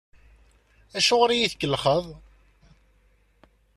Acuɣer i yi-tkellxeḍ?